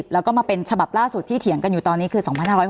แล้วก็มาเป็นฉบับล่าสุดที่เถียงกันอยู่ตอนนี้คือ๒๕๖๒